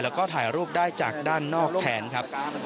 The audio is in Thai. แล้วก็ถ่ายรูปได้จากด้านนอกแทนครับ